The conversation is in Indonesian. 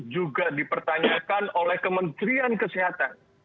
juga dipertanyakan oleh kementerian kesehatan